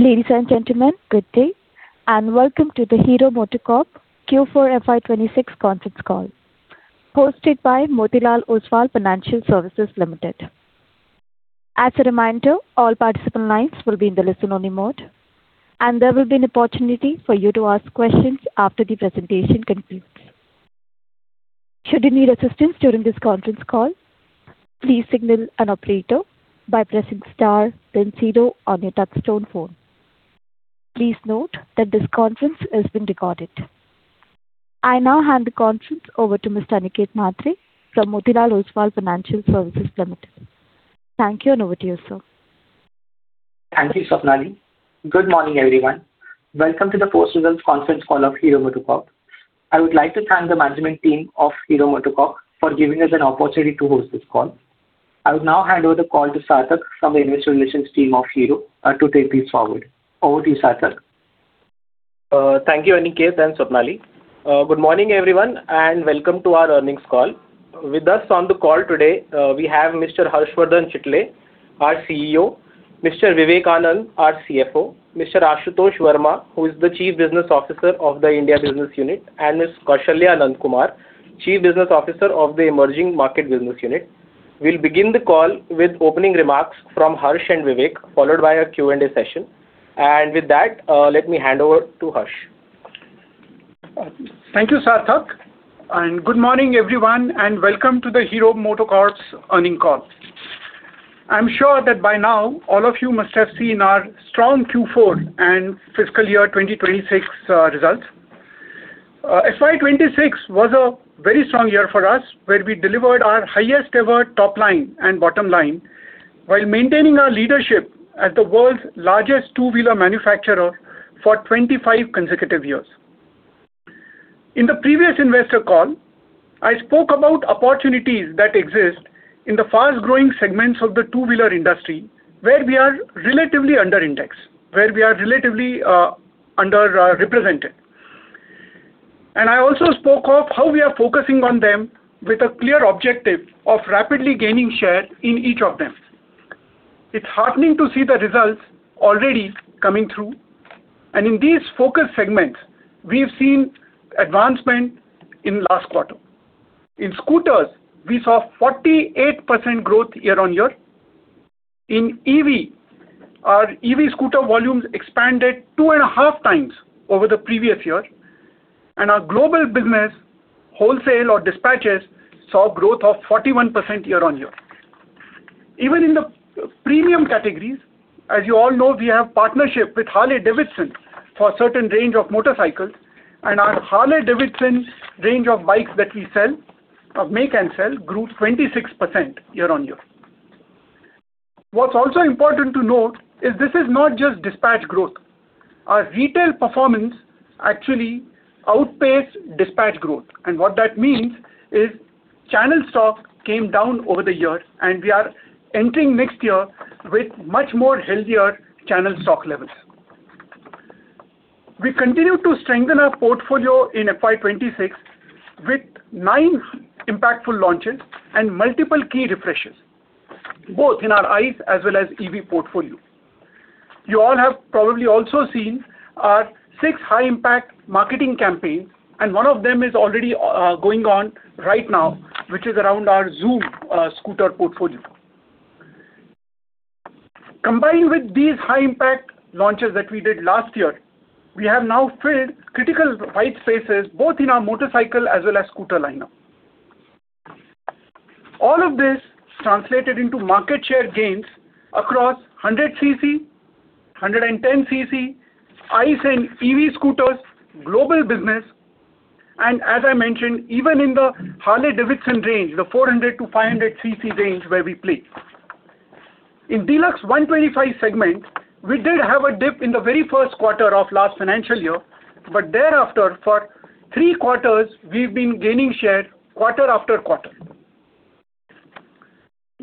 Ladies and gentlemen, good day, welcome to the Hero MotoCorp Q4 FY 2026 conference call hosted by Motilal Oswal Financial Services Limited. As a reminder, all participant lines will be in the listen-only mode. There will be an opportunity for you to ask questions after the presentation concludes. Should you need assistance during this conference call, please signal an operator by pressing star then zero on your touchtone phone. Please note that this conference is being recorded. I now hand the conference over to Mr. Aniket Mhatre from Motilal Oswal Financial Services Limited. Thank you. Over to you, sir. Thank you, Swapnali. Good morning, everyone. Welcome to the post-results conference call of Hero MotoCorp. I would like to thank the management team of Hero MotoCorp for giving us an opportunity to host this call. I would now hand over the call to Sarthak from the investor relations team of Hero to take this forward. Over to you, Sarthak. Thank you, Aniket and Swapnali. Good morning, everyone, and welcome to our earnings call. With us on the call today, we have Mr. Harshavardhan Chitale, our CEO; Mr. Vivek Anand, our CFO; Mr. Ashutosh Varma, who is the Chief Business Officer of the India Business Unit; and Ms. Kausalya Nandakumar, Chief Business Officer of the Emerging Mobility Business Unit. We'll begin the call with opening remarks from Harsh and Vivek, followed by a Q and A session. With that, let me hand over to Harsh. Thank you, Sarthak, good morning, everyone, and welcome to the Hero MotoCorp's earnings call. I'm sure that by now all of you must have seen our strong Q4 and fiscal year 2026 results. FY 2026 was a very strong year for us, where we delivered our highest ever top line and bottom line while maintaining our leadership as the world's largest two-wheeler manufacturer for 25 consecutive years. In the previous investor call, I spoke about opportunities that exist in the fast-growing segments of the two-wheeler industry, where we are relatively under-indexed, under represented. I also spoke of how we are focusing on them with a clear objective of rapidly gaining share in each of them. It's heartening to see the results already coming through. In these focus segments, we've seen advancement in last quarter. In scooters, we saw 48% growth year-on-year. In EV, our EV scooter volumes expanded 2.5 times over the previous year. Our global business wholesale or dispatches saw growth of 41% year-on-year. Even in the premium categories, as you all know, we have partnership with Harley-Davidson for a certain range of motorcycles, and our Harley-Davidson range of bikes that we sell, or make and sell, grew 26% year-on-year. What's also important to note is this is not just dispatch growth. Our retail performance actually outpaced dispatch growth. What that means is channel stock came down over the year, and we are entering next year with much more healthier channel stock levels. We continue to strengthen our portfolio in FY 2026 with nine impactful launches and multiple key refreshes, both in our ICE as well as EV portfolio. You all have probably also seen our six high impact marketing campaigns, and one of them is already going on right now, which is around our Xoom scooter portfolio. Combined with these high impact launches that we did last year, we have now filled critical white spaces both in our motorcycle as well as scooter lineup. All of this translated into market share gains across 100cc, 110cc, ICE and EV scooters, global business, and as I mentioned, even in the Harley-Davidson range, the 400cc-500cc range where we play. In Deluxe 125 segment, we did have a dip in the very first quarter of last financial year, but thereafter, for three quarters, we've been gaining share quarter-after-quarter.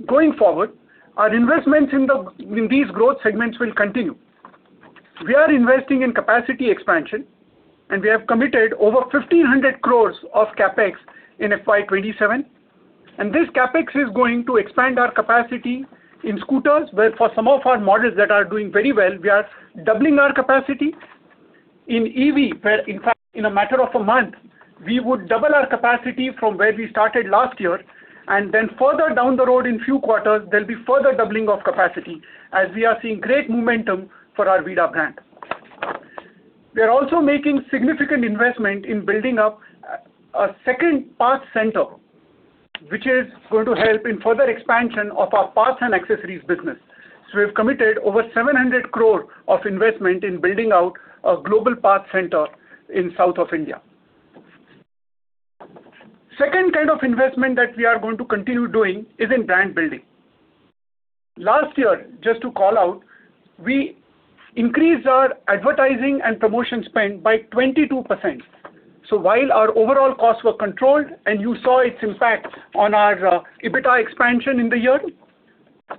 Going forward, our investments in these growth segments will continue. We are investing in capacity expansion. We have committed over 1,500 crore of CapEx in FY 2027. This CapEx is going to expand our capacity in scooters, where for some of our models that are doing very well, we are doubling our capacity. In EV, where in fact, in a matter of a month, we would double our capacity from where we started last year. Further down the road in few quarters, there'll be further doubling of capacity as we are seeing great momentum for our VIDA brand. We are also making significant investment in building up a second parts center, which is going to help in further expansion of our parts and accessories business. We've committed over 700 crore of investment in building out a global parts center in south of India. Second kind of investment that we are going to continue doing is in brand building. Last year, just to call out, we increased our advertising and promotion spend by 22%. While our overall costs were controlled, and you saw its impact on our EBITDA expansion in the year,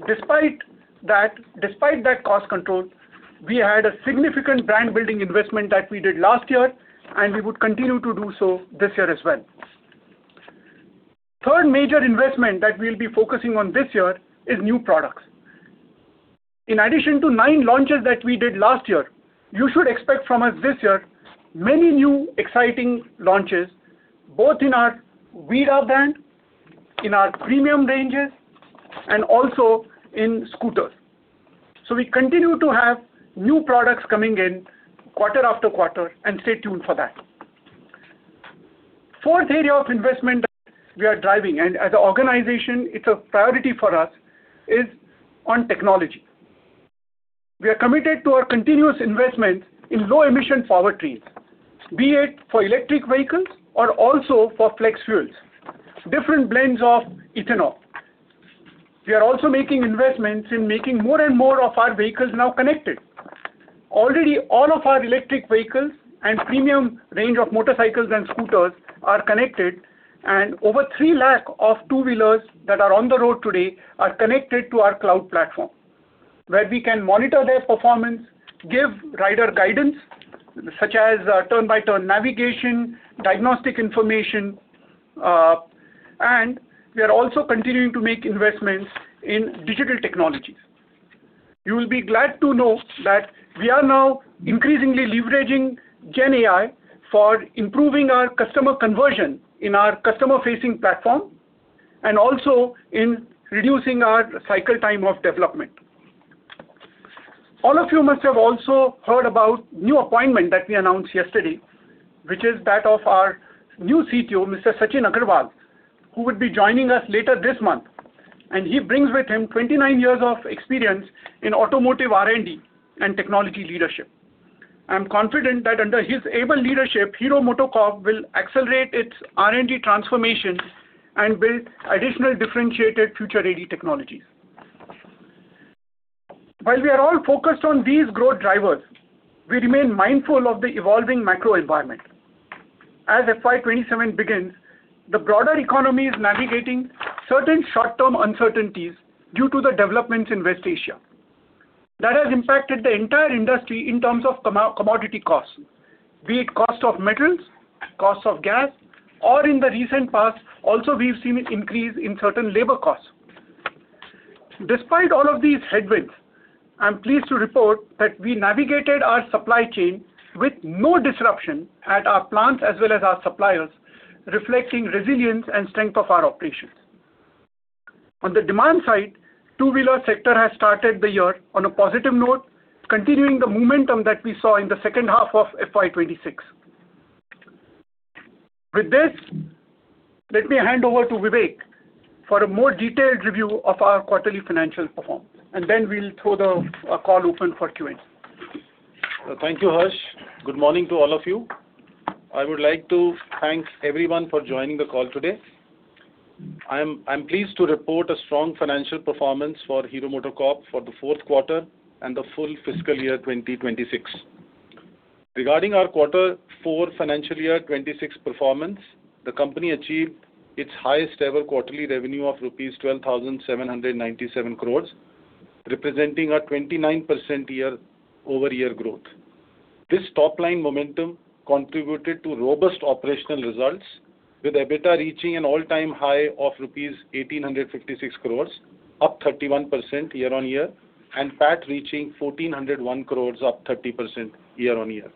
despite that, despite that cost control, we had a significant brand building investment that we did last year, and we would continue to do so this year as well. Third major investment that we'll be focusing on this year is new products. In addition to nine launches that we did last year, you should expect from us this year many new exciting launches, both in our VIDA brand, in our premium ranges, and also in scooters. We continue to have new products coming in quarter after quarter, and stay tuned for that. Fourth area of investment that we are driving, as an organization, it's a priority for us, is on technology. We are committed to our continuous investments in low emission powertrains, be it for electric vehicles or also for flex fuels, different blends of ethanol. We are also making investments in making more and more of our vehicles now connected. Already, all of our electric vehicles and premium range of motorcycles and scooters are connected, over 3 lakh of two-wheelers that are on the road today are connected to our cloud platform, where we can monitor their performance, give rider guidance, such as turn-by-turn navigation, diagnostic information. We are also continuing to make investments in digital technologies. You will be glad to know that we are now increasingly leveraging GenAI for improving our customer conversion in our customer-facing platform and also in reducing our cycle time of development. All of you must have also heard about new appointment that we announced yesterday, which is that of our new CTO, Mr. Sachin Agrawal, who would be joining us later this month, and he brings with him 29 years of experience in automotive R&D and technology leadership. I am confident that under his able leadership, Hero MotoCorp will accelerate its R&D transformation and build additional differentiated future-ready technologies. While we are all focused on these growth drivers, we remain mindful of the evolving macro environment. As FY 2027 begins, the broader economy is navigating certain short-term uncertainties due to the developments in West Asia. That has impacted the entire industry in terms of commodity costs, be it cost of metals, cost of gas, or in the recent past, also we've seen it increase in certain labor costs. Despite all of these headwinds, I'm pleased to report that we navigated our supply chain with no disruption at our plants as well as our suppliers, reflecting resilience and strength of our operations. On the demand side, two-wheeler sector has started the year on a positive note, continuing the momentum that we saw in the second half of FY 2026. With this, let me hand over to Vivek for a more detailed review of our quarterly financial performance, and then we'll throw the call open for Q and A. Thank you, Harshavardhan. Good morning to all of you. I would like to thank everyone for joining the call today. I'm pleased to report a strong financial performance for Hero MotoCorp for the fourth quarter and the full fiscal year 2026. Regarding our Q4 FY 2026 performance, the company achieved its highest ever quarterly revenue of rupees 12,797 crores, representing a 29% year-over-year growth. This top-line momentum contributed to robust operational results, with EBITDA reaching an all-time high of rupees 1,856 crores, up 31% year-on-year, and PAT reaching 1,401 crores, up 30% year-on-year.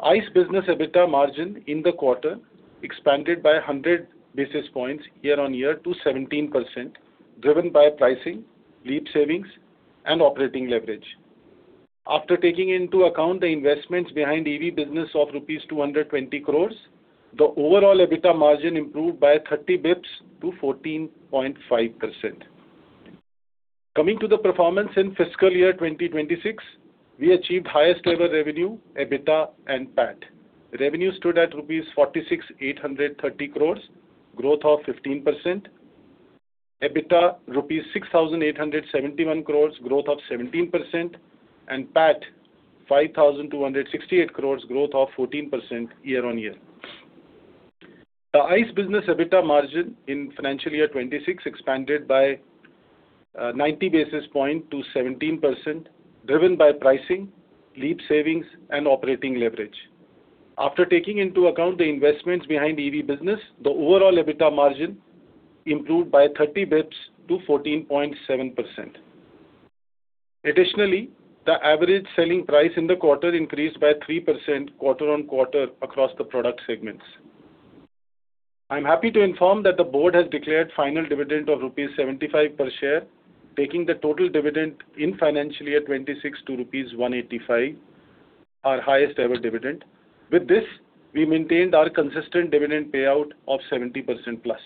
ICE business EBITDA margin in the quarter expanded by 100 basis points year-on-year to 17%, driven by pricing, LEAP savings, and operating leverage. After taking into account the investments behind EV business of rupees 220 crores, the overall EBITDA margin improved by 30 basis points to 14.5%. Coming to the performance in FY 2026, we achieved highest ever revenue, EBITDA, and PAT. Revenue stood at rupees 46,830 crores, growth of 15%. EBITDA, rupees 6,871 crores, growth of 17%. PAT, 5,268 crores, growth of 14% year-on-year. The ICE business EBITDA margin in FY 2026 expanded by 90 basis points to 17%, driven by pricing, LEAP savings, and operating leverage. After taking into account the investments behind EV business, the overall EBITDA margin improved by 30 basis points to 14.7%. Additionally, the average selling price in the quarter increased by 3% quarter-on-quarter across the product segments. I'm happy to inform that the board has declared final dividend of rupees 75 per share, taking the total dividend in financial year 2026 to rupees 185, our highest ever dividend. With this, we maintained our consistent dividend payout of 70% plus.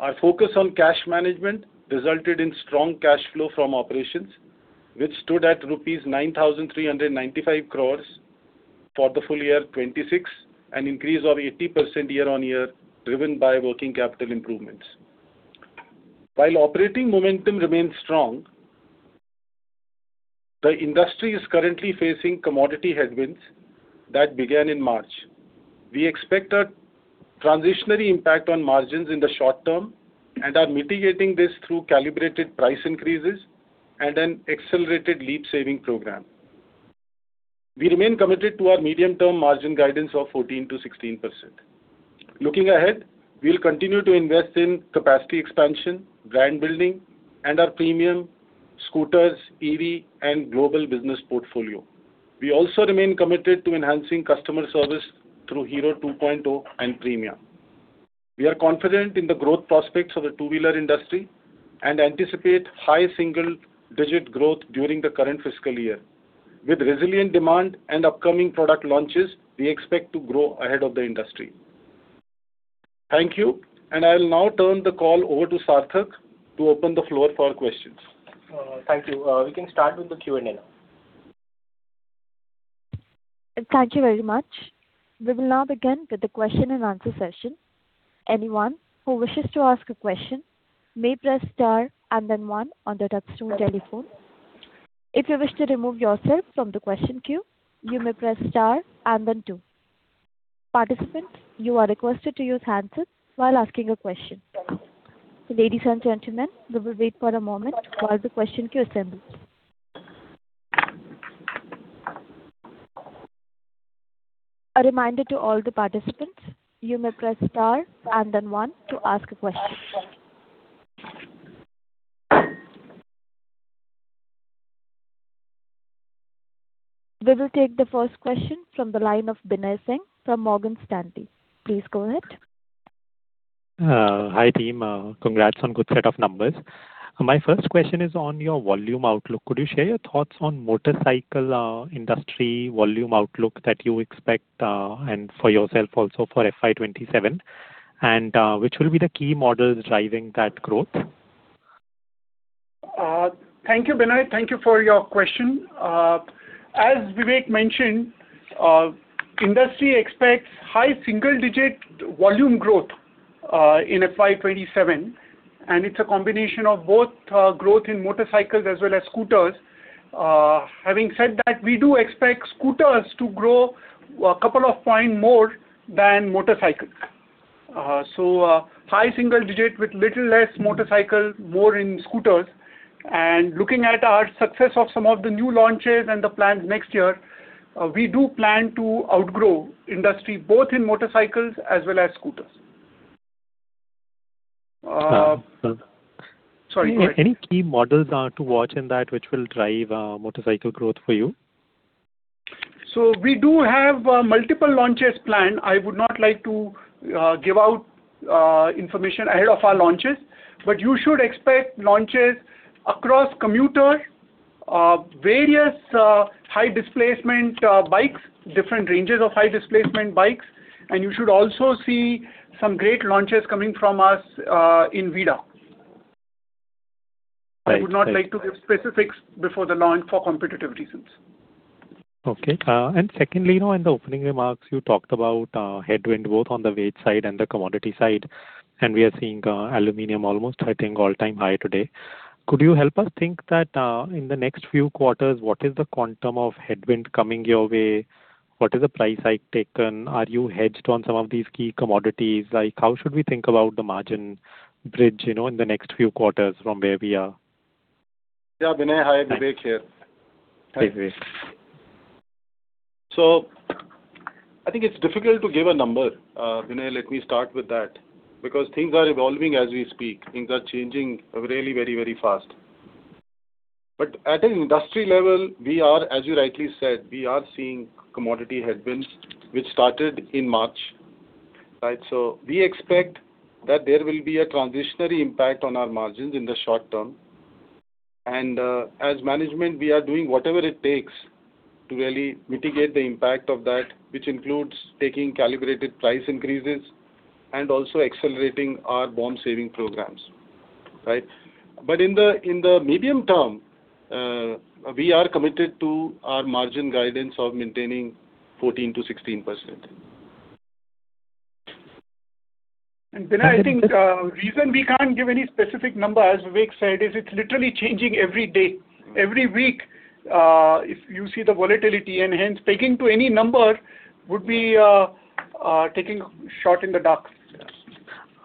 Our focus on cash management resulted in strong cash flow from operations, which stood at rupees 9,395 crores for the full year 2026, an increase of 80% year-on-year, driven by working capital improvements. While operating momentum remains strong, the industry is currently facing commodity headwinds that began in March. We expect a transitionary impact on margins in the short term and are mitigating this through calibrated price increases and an accelerated LEAP saving program. We remain committed to our medium-term margin guidance of 14%-16%. Looking ahead, we will continue to invest in capacity expansion, brand building, and our premium scooters, EV, and global business portfolio. We also remain committed to enhancing customer service through Hero 2.0 and Premia. We are confident in the growth prospects of the two-wheeler industry and anticipate high single-digit growth during the current fiscal year. With resilient demand and upcoming product launches, we expect to grow ahead of the industry. Thank you. I'll now turn the call over to Sarthak to open the floor for questions. Thank you. We can start with the Q and A now. Thank you very much. We will now begin with the question-and-answer session. Anyone who wishes to ask a question may press star and then one on their touchtone telephone. If you wish to remove yourself from the question queue, you may press star and then two. Participants, you are requested to use handsets while asking a question. Ladies and gentlemen, we will wait for a moment while the question queue assembles. A reminder to all the participants, you may press star and then one to ask a question. We will take the first question from the line of Binay Singh from Morgan Stanley. Please go ahead. Hi, team. Congrats on good set of numbers. My first question is on your volume outlook. Could you share your thoughts on motorcycle industry volume outlook that you expect and for yourself also for FY 2027, and which will be the key models driving that growth? Thank you, Binay. Thank you for your question. As Vivek mentioned, industry expects high single-digit volume growth in FY 2027, and it's a combination of both, growth in motorcycles as well as scooters. Having said that, we do expect scooters to grow a couple of point more than motorcycles. High single-digit with little less motorcycle, more in scooters. Looking at our success of some of the new launches and the plans next year, we do plan to outgrow industry both in motorcycles as well as scooters. Uh- Sorry, go ahead. Any key models to watch in that which will drive motorcycle growth for you? We do have multiple launches planned. I would not like to give out information ahead of our launches. You should expect launches across commuter, various high displacement bikes, different ranges of high displacement bikes. You should also see some great launches coming from us in VIDA. Thanks. Thanks. I would not like to give specifics before the launch for competitive reasons. Okay. Secondly, you know, in the opening remarks, you talked about headwind both on the wage side and the commodity side, and we are seeing aluminum almost hitting all-time high today. Could you help us think that, in the next few quarters, what is the quantum of headwind coming your way? What is the price hike taken? Are you hedged on some of these key commodities? Like, how should we think about the margin bridge, you know, in the next few quarters from where we are? Yeah, Binay. Hi, Vivek here. Hi, Vivek. I think it's difficult to give a number, Binay. Let me start with that. Things are evolving as we speak. Things are changing really very, very fast. At an industry level, we are, as you rightly said, we are seeing commodity headwinds which started in March, right? We expect that there will be a transitionary impact on our margins in the short term. As management, we are doing whatever it takes to really mitigate the impact of that, which includes taking calibrated price increases and also accelerating our BoM saving programs, right? In the medium term, we are committed to our margin guidance of maintaining 14%-16%. Binay, I think, reason we can't give any specific number, as Vivek said, is it's literally changing every day, every week, if you see the volatility. Hence, pegging to any number would be, taking a shot in the dark.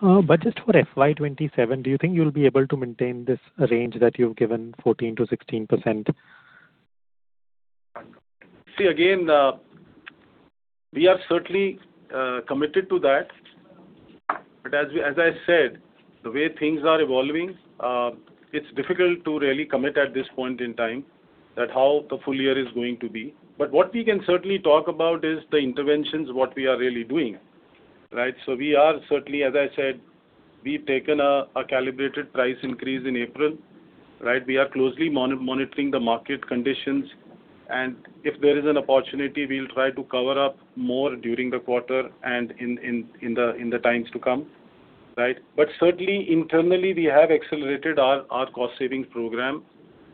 Just for FY 2027, do you think you'll be able to maintain this range that you've given, 14%-16%? See, again, we are certainly committed to that. As we, as I said, the way things are evolving, it's difficult to really commit at this point in time that how the full year is going to be. What we can certainly talk about is the interventions, what we are really doing, right. We are certainly, as I said, we've taken a calibrated price increase in April, right. We are closely monitoring the market conditions. If there is an opportunity, we'll try to cover up more during the quarter and in the times to come, right. Certainly, internally, we have accelerated our cost savings program.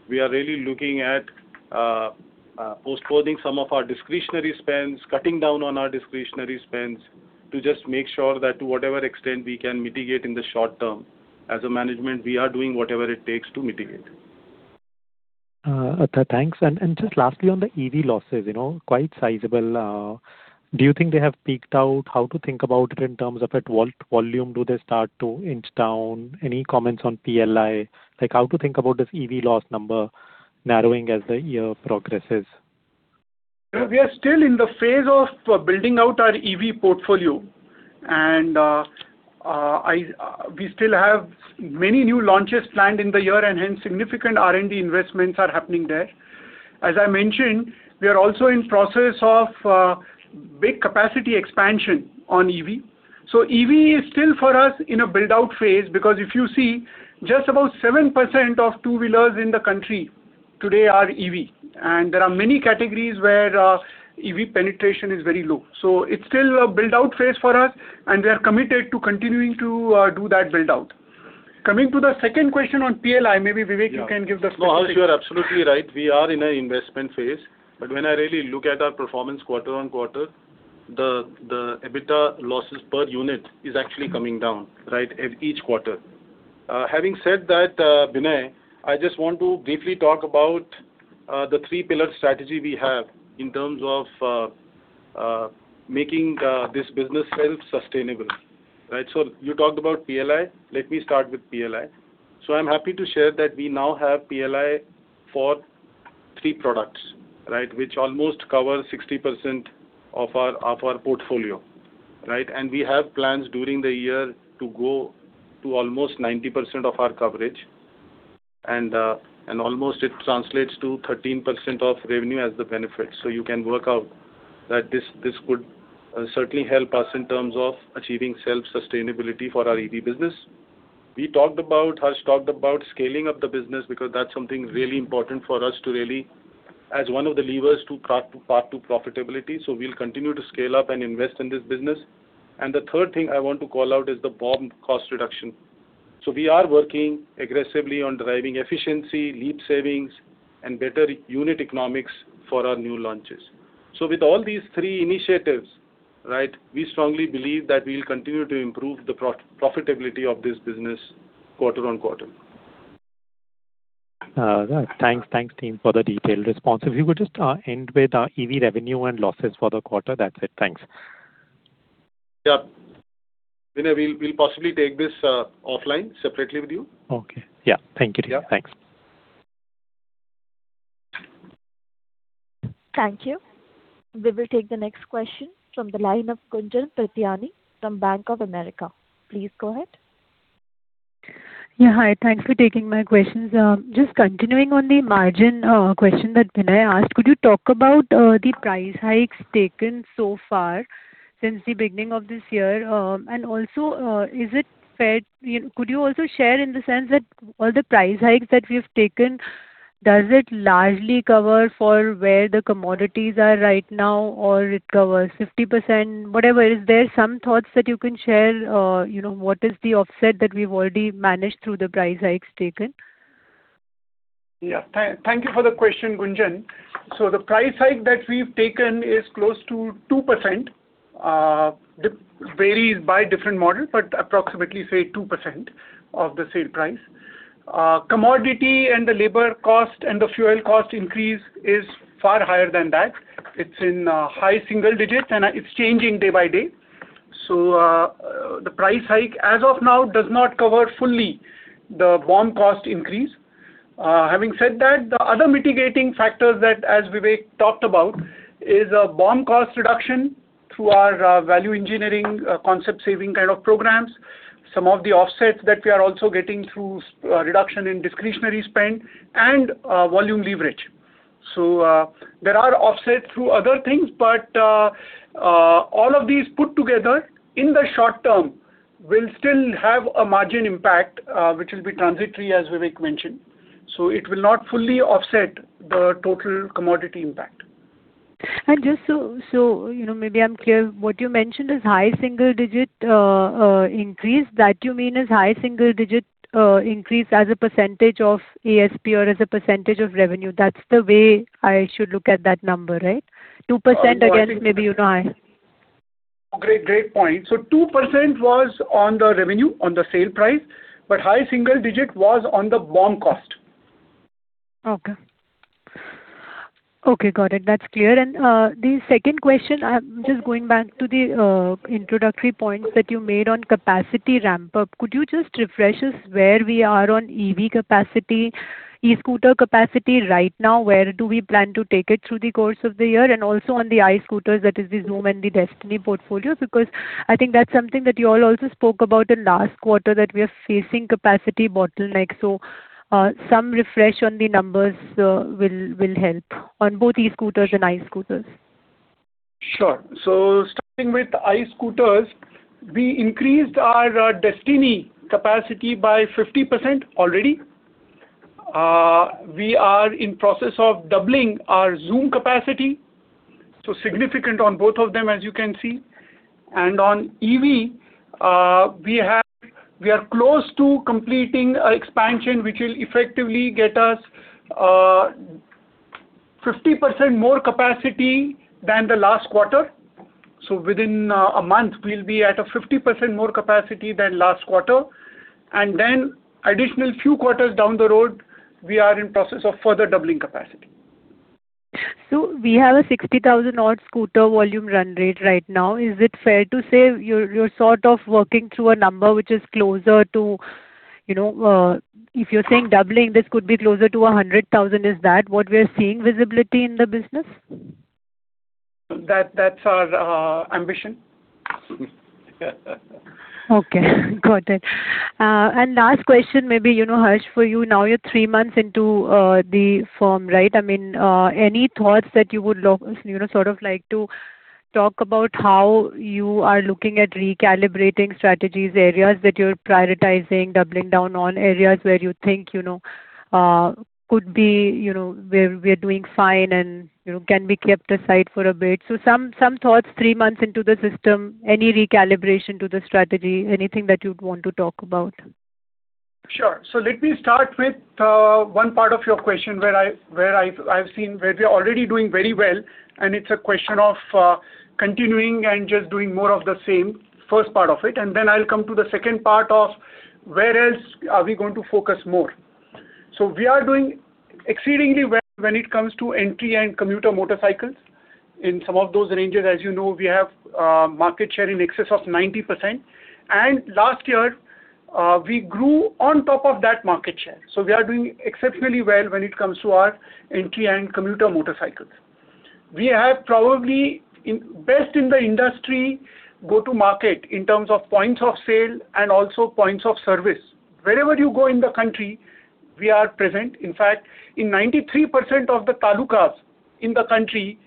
We are really looking at postponing some of our discretionary spends, cutting down on our discretionary spends to just make sure that to whatever extent we can mitigate in the short term. As a management, we are doing whatever it takes to mitigate. Thanks. Lastly, on the EV losses, you know, quite sizable. Do you think they have peaked out? How to think about it in terms of at what volume do they start to inch down? Any comments on PLI? How to think about this EV loss number narrowing as the year progresses? We are still in the phase of building out our EV portfolio. We still have many new launches planned in the year, and hence significant R&D investments are happening there. As I mentioned, we are also in process of big capacity expansion on EV. EV is still for us in a build-out phase, because if you see just about 7% of two-wheelers in the country today are EV, and there are many categories where EV penetration is very low. It's still a build-out phase for us, and we are committed to continuing to do that build-out. Coming to the second question on PLI, maybe Vivek you can give the specific- No, Harshavardhan, you are absolutely right. We are in an investment phase. When I really look at our performance quarter on quarter, the EBITDA losses per unit is actually coming down, right, at each quarter. Having said that, Binay, I just want to briefly talk about the three pillar strategy we have in terms of making this business self-sustainable. Right. You talked about PLI. Let me start with PLI. I'm happy to share that we now have PLI for three products, right, which almost cover 60% of our, of our portfolio. Right. We have plans during the year to go to almost 90% of our coverage. Almost it translates to 13% of revenue as the benefit. You can work out that this could certainly help us in terms of achieving self-sustainability for our EV business. Harshavardhan talked about scaling up the business because that's something really important for us to really, as one of the levers to path to profitability. We'll continue to scale up and invest in this business. The third thing I want to call out is the BoM cost reduction. We are working aggressively on driving efficiency, LEAP savings and better unit economics for our new launches. With all these three initiatives, we strongly believe that we will continue to improve the pro-profitability of this business quarter on quarter. Thanks. Thanks, team, for the detailed response. If you could just end with EV revenue and losses for the quarter. That's it. Thanks. Yeah. Binay, we'll possibly take this offline separately with you. Okay. Yeah. Thank you. Yeah. Thanks. Thank you. We will take the next question from the line of Gunjan Prithyani from Bank of America. Please go ahead. Yeah, hi. Thanks for taking my questions. Just continuing on the margin question that Binay asked, could you talk about the price hikes taken so far since the beginning of this year? Could you also share in the sense that all the price hikes that we've taken, does it largely cover for where the commodities are right now or it covers 50%, whatever? Is there some thoughts that you can share, you know, what is the offset that we've already managed through the price hikes taken? Thank you for the question, Gunjan. The price hike that we've taken is close to 2%. It varies by different models, but approximately say 2% of the sale price. Commodity and the labor cost and the fuel cost increase is far higher than that. It's in high single digits, and it's changing day by day. The price hike as of now does not cover fully the BoM cost increase. Having said that, the other mitigating factors that, as Vivek talked about, is BoM cost reduction through our value engineering, concept saving kind of programs. Some of the offsets that we are also getting through reduction in discretionary spend and volume leverage. There are offsets through other things, but, all of these put together in the short term will still have a margin impact, which will be transitory, as Vivek mentioned. It will not fully offset the total commodity impact. Just so, you know, maybe I am clear, what you mentioned is high single digit increase. That you mean is high single digit increase as a percentage of ASP or as a percentage of revenue? That's the way I should look at that number, right? 2% again, maybe, you know, I. Great. Great point. Two percent was on the revenue, on the sale price, but high single-digit was on the BoM cost. Okay, got it. That's clear. The second question, I am just going back to the introductory points that you made on capacity ramp-up. Could you just refresh us where we are on EV capacity, e-scooter capacity right now? Where do we plan to take it through the course of the year? Also on the ICE scooters, that is the Xoom and the Destini portfolios, because I think that is something that you all also spoke about in last quarter that we are facing capacity bottleneck. Some refresh on the numbers will help on both e-scooters and ICE scooters. Sure. Starting with ICE scooters, we increased our Destini capacity by 50% already. We are in process of doubling our Xoom capacity, so significant on both of them, as you can see. On EV, we are close to completing expansion, which will effectively get us 50% more capacity than the last quarter. Within a month, we'll be at a 50% more capacity than last quarter. Additional few quarters down the road, we are in process of further doubling capacity. We have a 60,000 odd scooter volume run rate right now. Is it fair to say you're sort of working through a number which is closer to? You know, if you're saying doubling, this could be closer to 100,000. Is that what we're seeing visibility in the business? That's our ambition. Okay. Got it. Last question maybe, you know, Harshavardhan, for you. Now you're three months into the firm, right? I mean, any thoughts that you would, you know, sort of like to talk about how you are looking at recalibrating strategies, areas that you're prioritizing, doubling down on areas where you think, you know, could be, you know, where we are doing fine and, you know, can be kept aside for a bit. Some thoughts three months into the system, any recalibration to the strategy, anything that you'd want to talk about? Sure. Let me start with one part of your question where I, where I've seen where we are already doing very well, and it's a question of continuing and just doing more of the same, first part of it. Then I'll come to the second part of where else are we going to focus more. We are doing exceedingly well when it comes to entry and commuter motorcycles. In some of those ranges, as you know, we have market share in excess of 90%. Last year, we grew on top of that market share. We are doing exceptionally well when it comes to our entry and commuter motorcycles. We have probably in best in the industry go-to-market in terms of points of sale and also points of service. Wherever you go in the country, we are present. In fact, in 93% of the Talukas in the country,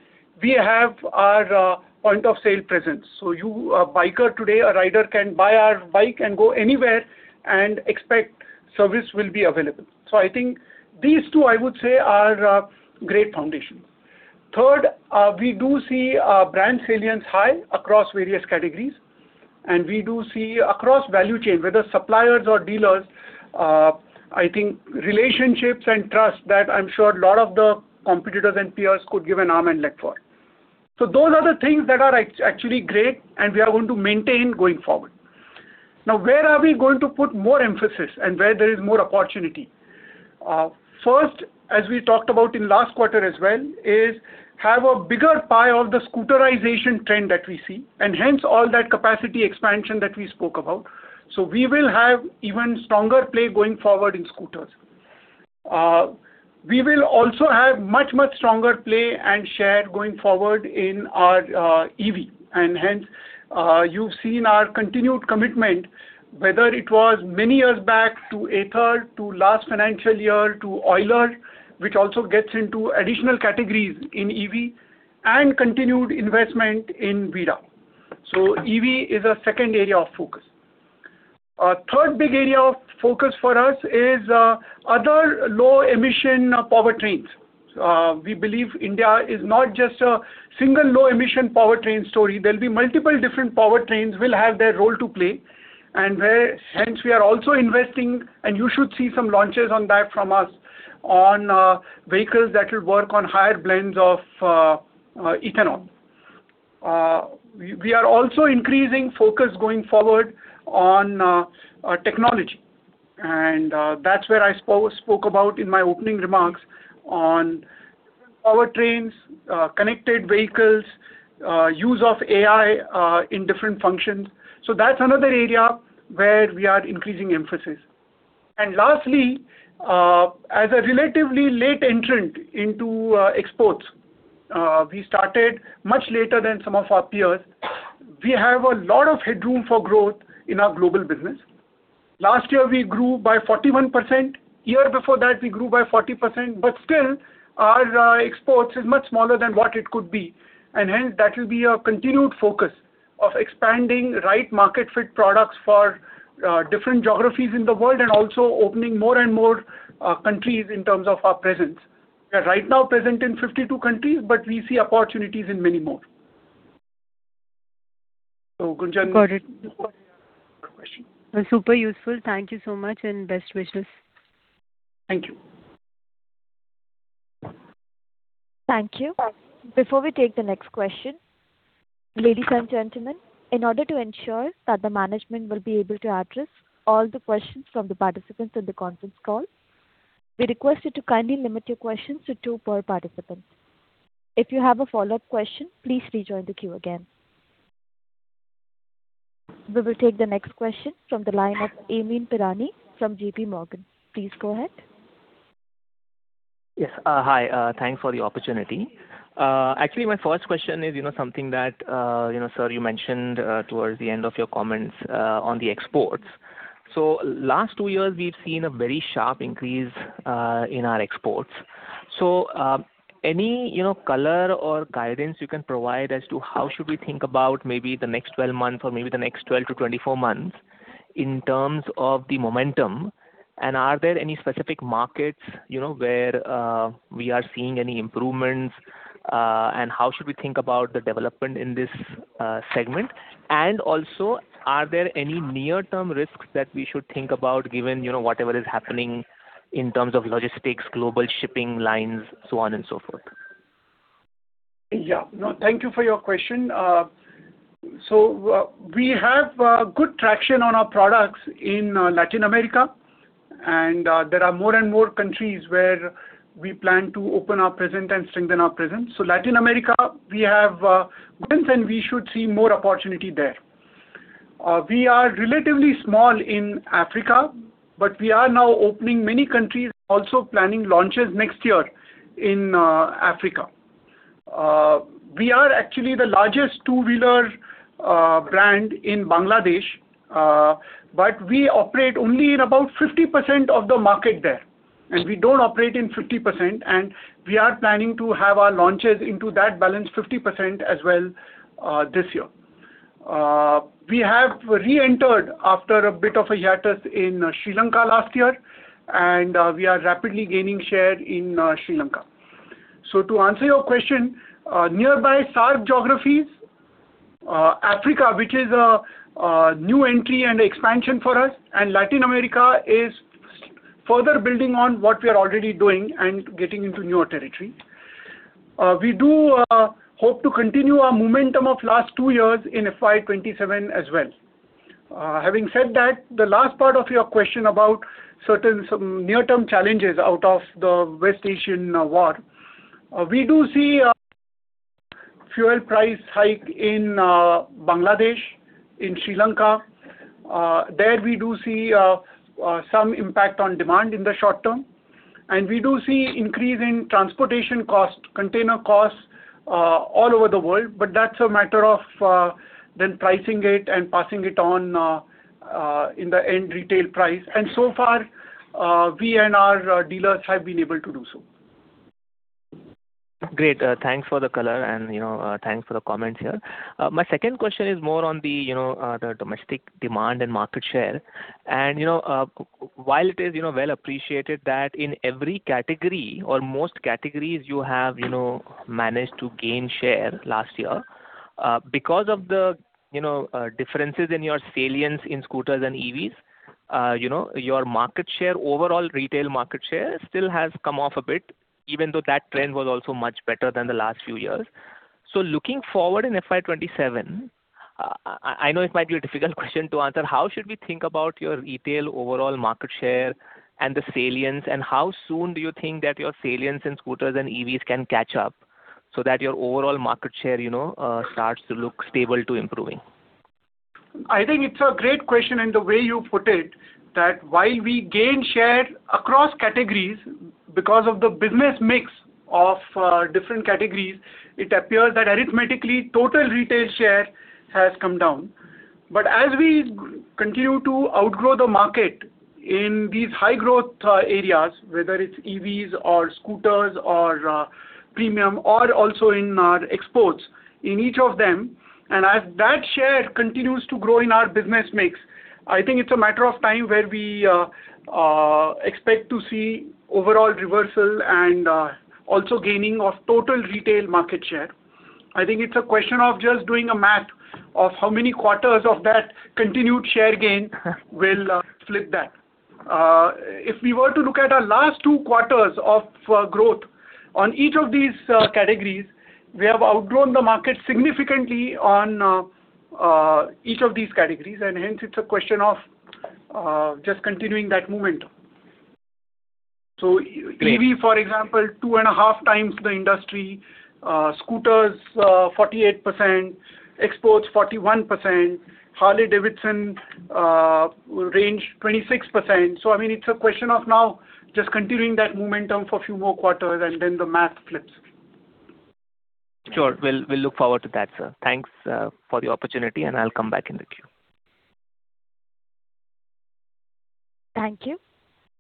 we have our point of sale presence. You, a biker today, a rider can buy our bike and go anywhere and expect service will be available. I think these two, I would say, are a great foundation. Third, we do see brand salience high across various categories, and we do see across value chain, whether suppliers or dealers, I think relationships and trust that I'm sure a lot of the competitors and peers could give an arm and leg for. Those are the things that are actually great and we are going to maintain going forward. Where are we going to put more emphasis and where there is more opportunity? First, as we talked about in last quarter as well, is have a bigger pie of the scooterization trend that we see, hence all that capacity expansion that we spoke about. We will have even stronger play going forward in scooters. We will also have much, much stronger play and share going forward in our EV. You've seen our continued commitment, whether it was many years back to Ather, to last financial year, to Euler, which also gets into additional categories in EV and continued investment in VIDA. EV is a second area of focus. Our third big area of focus for us is other low emission powertrains. We believe India is not just a single low emission powertrain story. There'll be multiple different powertrains will have their role to play. Where, hence we are also investing, and you should see some launches on that from us on vehicles that will work on higher blends of ethanol. We are also increasing focus going forward on our technology, and that's where I spoke about in my opening remarks on different powertrains, connected vehicles, use of AI in different functions. That's another area where we are increasing emphasis. Lastly, as a relatively late entrant into exports, we started much later than some of our peers. We have a lot of headroom for growth in our global business. Last year, we grew by 41%. Year before that, we grew by 40%. Still, our exports is much smaller than what it could be. Hence, that will be a continued focus of expanding right market fit products for different geographies in the world and also opening more and more countries in terms of our presence. We are right now present in 52 countries, but we see opportunities in many more. Gunjan- Got it. Any other question? Super useful. Thank you so much and best wishes. Thank you. Thank you. Before we take the next question, ladies and gentlemen, in order to ensure that the management will be able to address all the questions from the participants in the conference call, we request you to kindly limit your questions to two per participant. If you have a follow-up question, please rejoin the queue again. We will take the next question from the line of Amyn Pirani from JPMorgan. Please go ahead. Yes. Hi. Thanks for the opportunity. Actually, my first question is, you know, something that, you know, sir, you mentioned towards the end of your comments on the exports. Last two years, we've seen a very sharp increase in our exports. Any, you know, color or guidance you can provide as to how should we think about maybe the next 12 months or maybe the next 12 to 24 months in terms of the momentum, and are there any specific markets, you know, where we are seeing any improvements, and how should we think about the development in this segment? Also, are there any near-term risks that we should think about given, you know, whatever is happening in terms of logistics, global shipping lines, so on and so forth? No, thank you for your question. We have good traction on our products in Latin America. There are more and more countries where we plan to open our presence and strengthen our presence. Latin America, we have presence, and we should see more opportunity there. We are relatively small in Africa, but we are now opening many countries, also planning launches next year in Africa. We are actually the largest two-wheeler brand in Bangladesh. We operate only in about 50% of the market there. We don't operate in 50%, and we are planning to have our launches into that balanced 50% as well this year. We have reentered after a bit of a hiatus in Sri Lanka last year. We are rapidly gaining share in Sri Lanka. To answer your question, nearby SAARC geographies, Africa, which is a new entry and expansion for us, Latin America is further building on what we are already doing and getting into newer territory. We do hope to continue our momentum of last two years in FY 2027 as well. Having said that, the last part of your question about certain some near-term challenges out of the West Asian war. We do see a fuel price hike in Bangladesh, in Sri Lanka. There we do see some impact on demand in the short term. We do see increase in transportation cost, container costs, all over the world, but that's a matter of then pricing it and passing it on in the end retail price. So far, we and our dealers have been able to do so. Great. Thanks for the color and, you know, thanks for the comments here. My second question is more on the, you know, the domestic demand and market share. You know, while it is, you know, well appreciated that in every category or most categories you have, you know, managed to gain share last year, because of the, you know, differences in your salience in scooters and EVs, you know, your market share, overall retail market share still has come off a bit, even though that trend was also much better than the last few years. Looking forward in FY 2027, I know it might be a difficult question to answer. How should we think about your retail overall market share and the salience, and how soon do you think that your salience in scooters and EVs can catch up so that your overall market share, you know, starts to look stable to improving? I think it's a great question and the way you put it, that while we gain share across categories, because of the business mix of different categories, it appears that arithmetically total retail share has come down. As we continue to outgrow the market in these high growth areas, whether it's EVs or scooters or Premia or also in our exports, in each of them, and as that share continues to grow in our business mix, I think it's a matter of time where we expect to see overall reversal and also gaining of total retail market share. I think it's a question of just doing a math of how many quarters of that continued share gain will flip that. If we were to look at our last two quarters of growth on each of these categories, we have outgrown the market significantly on each of these categories, and hence it's a question of just continuing that momentum. EV, for example, 2.5 times the industry. Scooters, 48%. Exports, 41%. Harley-Davidson range, 26%. I mean, it's a question of now just continuing that momentum for a few more quarters and then the math flips. Sure. We'll look forward to that, sir. Thanks for the opportunity, and I'll come back in the queue. Thank you.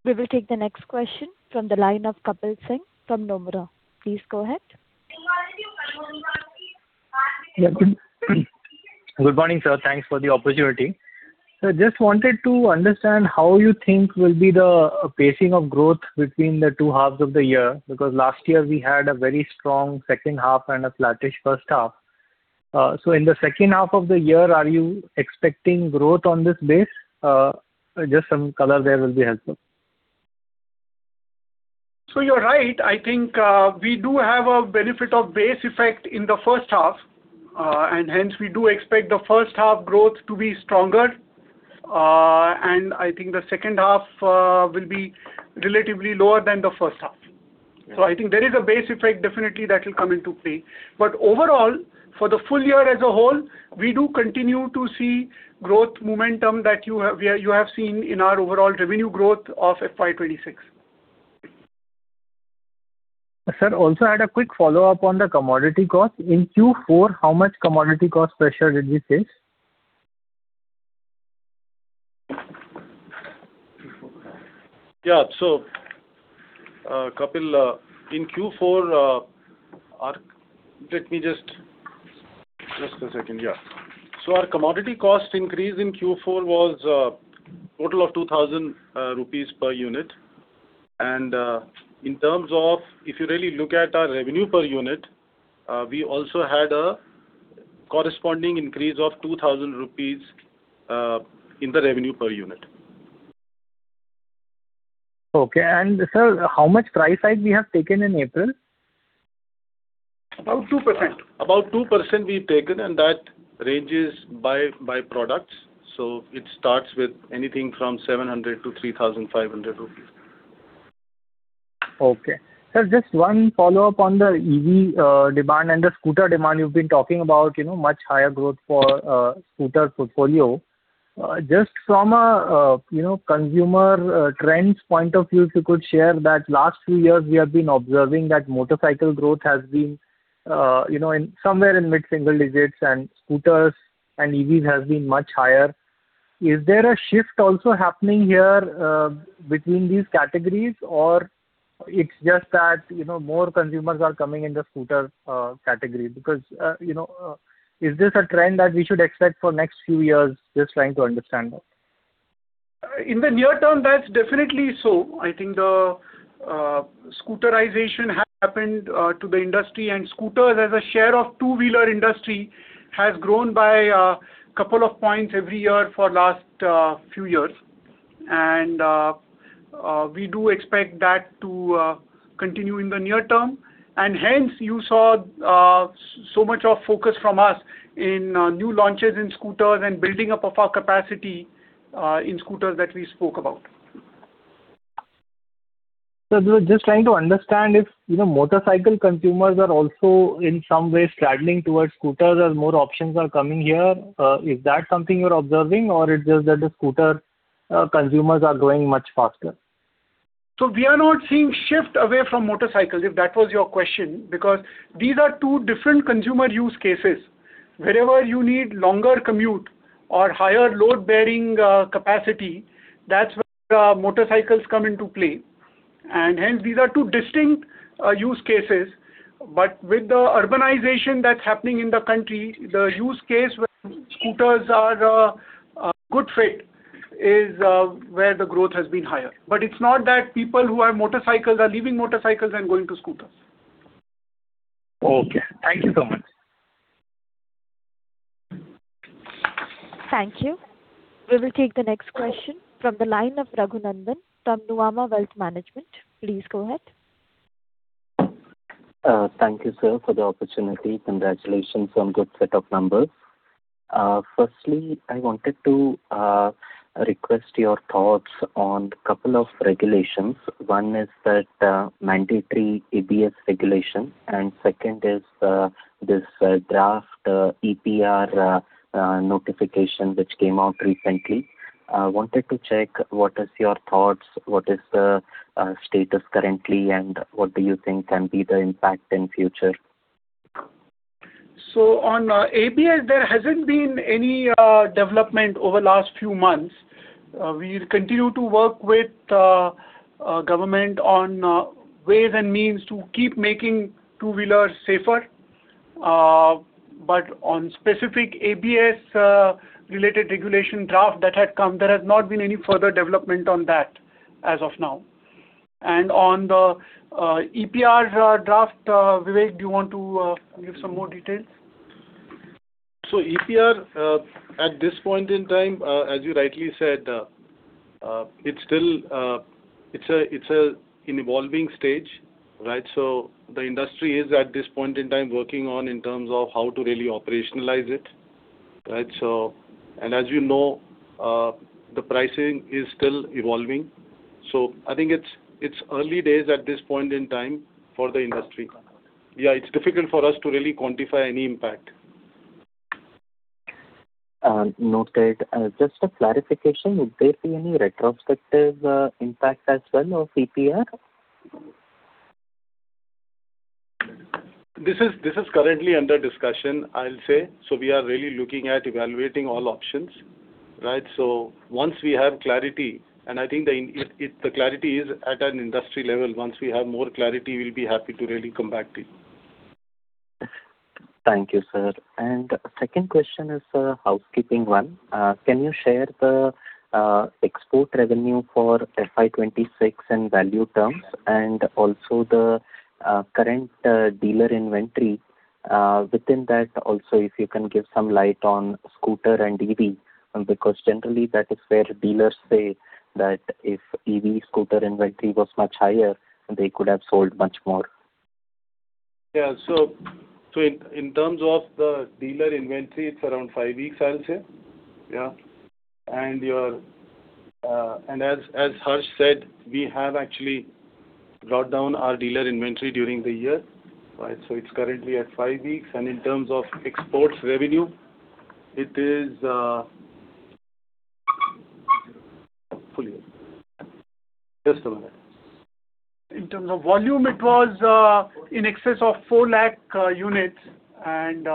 We will take the next question from the line of Kapil Singh from Nomura. Please go ahead. Good morning, sir. Thanks for the opportunity. I just wanted to understand how you think will be the pacing of growth between the two halves of the year, because last year we had a very strong second half and a flattish first half. In the second half of the year, are you expecting growth on this base? Just some color there will be helpful. You're right. I think we do have a benefit of base effect in the first half. Hence we do expect the first half growth to be stronger. I think the second half will be relatively lower than the first half. Yeah. I think there is a base effect definitely that will come into play. Overall, for the full year as a whole, we do continue to see growth momentum that you have seen in our overall revenue growth of FY 2026. Sir, also had a quick follow-up on the commodity cost. In Q4, how much commodity cost pressure did we face? Kapil, in Q4, let me just a second. Our commodity cost increase in Q4 was a total of 2,000 rupees per unit. In terms of if you really look at our revenue per unit, we also had a corresponding increase of 2,000 rupees in the revenue per unit. Okay. Sir, how much price hike we have taken in April? About 2%. About 2% we've taken. That ranges by products. It starts with anything from 700-3,500 rupees. Okay. Sir, just one follow-up on the EV demand and the scooter demand. You've been talking about, you know, much higher growth for scooter portfolio. Just from a, you know, consumer trends point of view, if you could share that. Last few years we have been observing that motorcycle growth has been, you know, in somewhere in mid-single digits, and scooters and EVs has been much higher. Is there a shift also happening here between these categories, or it's just that, you know, more consumers are coming in the scooter category? Because, you know, is this a trend that we should expect for next few years? Just trying to understand. In the near term, that's definitely so. I think the scooterization happened to the industry, and scooters as a share of two-wheeler industry has grown by couple of points every year for last few years. We do expect that to continue in the near term. Hence, you saw so much of focus from us in new launches in scooters and building up of our capacity in scooters that we spoke about. Sir, just trying to understand if, you know, motorcycle consumers are also in some way straddling towards scooters as more options are coming here? Is that something you're observing or it's just that the scooter consumers are growing much faster? We are not seeing shift away from motorcycles, if that was your question, because these are two different consumer use cases. Wherever you need longer commute or higher load-bearing capacity, that's where motorcycles come into play. Hence, these are two distinct use cases. With the urbanization that's happening in the country, the use case where scooters are a good fit is where the growth has been higher. It's not that people who have motorcycles are leaving motorcycles and going to scooters. Okay. Thank you so much. Thank you. We will take the next question from the line of Raghavan Nandan from Nuvama Wealth Management. Please go ahead. Thank you, sir, for the opportunity. Congratulations on good set of numbers. Firstly, I wanted to request your thoughts on couple of regulations. One is that, mandatory ABS regulation, and second is, this draft EPR notification which came out recently. Wanted to check what is your thoughts, what is the status currently, and what do you think can be the impact in future? On ABS, there hasn't been any development over last few months. We'll continue to work with government on ways and means to keep making two-wheelers safer. On specific ABS related regulation draft that had come, there has not been any further development on that as of now. On the EPR draft, Vivek, do you want to give some more details? EPR at this point in time, as you rightly said, it's still an evolving stage, right? The industry is at this point in time working on in terms of how to really operationalize it, right? And as you know, the pricing is still evolving, so I think it's early days at this point in time for the industry. Yeah, it's difficult for us to really quantify any impact. Noted. Just a clarification. Would there be any retrospective impact as well of EPR? This is currently under discussion, I'll say. We are really looking at evaluating all options, right? Once we have clarity, and I think the clarity is at an industry level. Once we have more clarity, we'll be happy to really come back to you. Thank you, sir. Second question is a housekeeping one. Can you share the export revenue for FY 2026 in value terms and also the current dealer inventory? Within that also, if you can give some light on scooter and EV. Because generally that is where dealers say that if EV scooter inventory was much higher, they could have sold much more. Yeah. In terms of the dealer inventory, it's around five weeks, I'll say. Yeah. As Harshavardhan said, we have actually brought down our dealer inventory during the year, right? It's currently at five weeks. In terms of exports revenue, it is Full year. Just a minute. In terms of volume, it was in excess of 4 lakh units. We can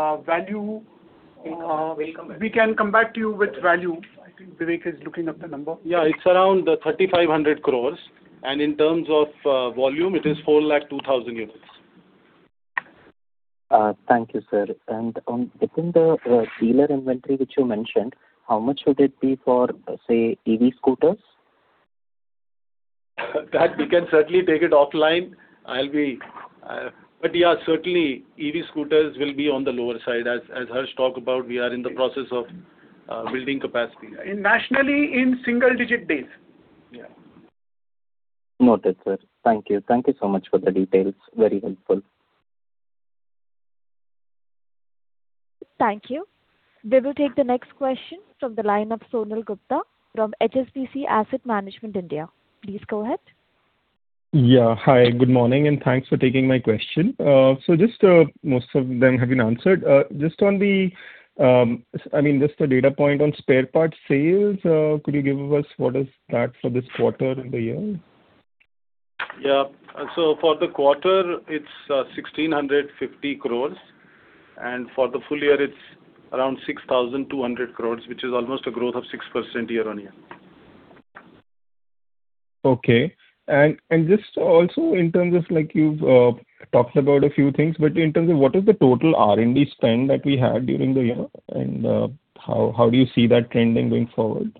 come back. We can come back. We can come back to you with value. I think Vivek is looking up the number. Yeah, it's around 3,500 crores. In terms of volume, it is 402,000 units. Thank you, sir. On, within the dealer inventory which you mentioned, how much would it be for, say, EV scooters? That we can certainly take it offline. Yeah, certainly EV scooters will be on the lower side. As Harshavardhan talked about, we are in the process of building capacity. Nationally, in single-digit days. Noted, sir. Thank you. Thank you so much for the details. Very helpful. Thank you. We will take the next question from the line of Sonal Gupta from HSBC Asset Management India. Please go ahead. Hi, good morning, and thanks for taking my question. Most of them have been answered. Just on the, I mean, just the data point on spare parts sales, could you give us what is that for this quarter and the year? Yeah. For the quarter, it's 1,650 crores, and for the full year it's around 6,200 crores, which is almost a growth of 6% year-on-year. Okay. Just also in terms of like you've talked about a few things, but in terms of what is the total R&D spend that we had during the year and how do you see that trending going forward?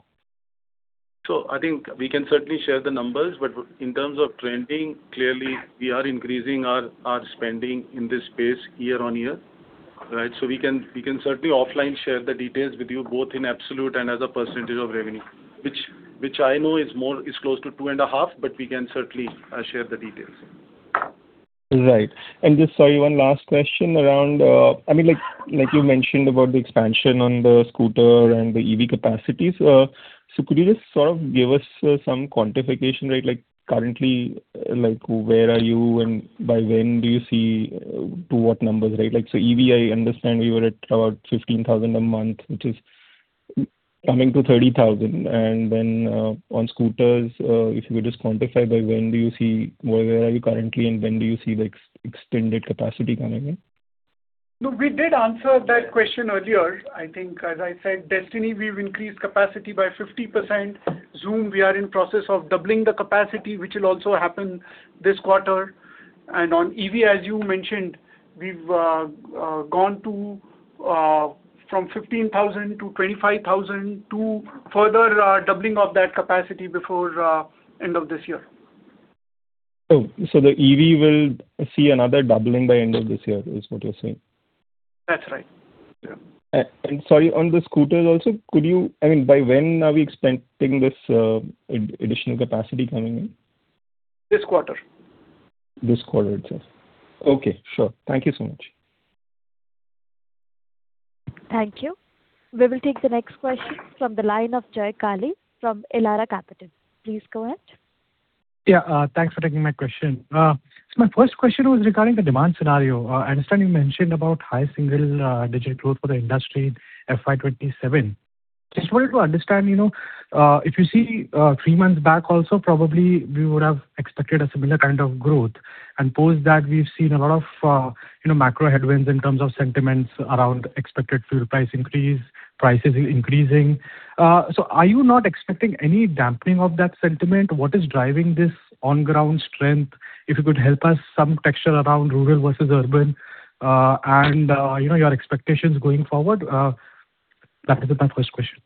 I think we can certainly share the numbers, but in terms of trending, clearly we are increasing our spending in this space year-on-year, right? We can certainly offline share the details with you both in absolute and as a percentage of revenue, which I know is close to 2.5%, but we can certainly share the details. Right. Just, sorry, one last question around, I mean, like you mentioned about the expansion on the scooter and the EV capacities. Could you just sort of give us some quantification, right? Currently, like where are you and by when do you see to what numbers, right? EV, I understand you were at about 15,000 a month, which is coming to 30,000. On scooters, if you could just quantify by when do you see where are you currently and when do you see the extended capacity coming in? No, we did answer that question earlier. I think, as I said, Destini we've increased capacity by 50%. Xoom, we are in process of doubling the capacity, which will also happen this quarter. On EV, as you mentioned, we've gone from 15,000 to 25,000 to further doubling of that capacity before end of this year. Oh, the EV will see another doubling by end of this year, is what you're saying? That's right. Yeah. Sorry, on the scooters also, could you I mean, by when are we expecting this additional capacity coming in? This quarter. This quarter itself. Okay. Sure. Thank you so much. Thank you. We will take the next question from the line of Jay Kale from Elara Capital. Please go ahead. Thanks for taking my question. My first question was regarding the demand scenario. I understand you mentioned about high single-digit growth for the industry FY 2027. Just wanted to understand, you know, if you see, three months back also, probably we would have expected a similar kind of growth. Post that, we've seen a lot of, you know, macro headwinds in terms of sentiments around expected fuel price increase, prices increasing. Are you not expecting any dampening of that sentiment? What is driving this on-ground strength? If you could help us some texture around rural versus urban, and, you know, your expectations going forward. That is my first question.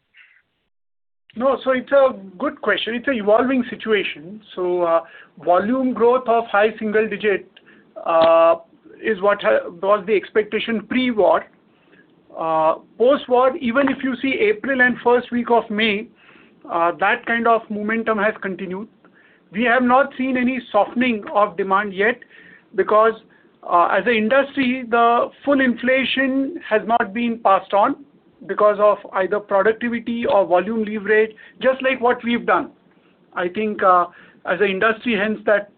No, it's a good question. It's a evolving situation. Volume growth of high single digit was the expectation pre-war. Post-war, even if you see April and first week of May, that kind of momentum has continued. We have not seen any softening of demand yet because, as a industry, the full inflation has not been passed on because of either productivity or volume leverage, just like what we've done. I think, as a industry, hence that